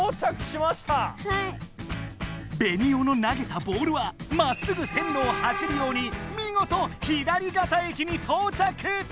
ベニオの投げたボールはまっすぐ線ろを走るようにみごと左肩駅に到着！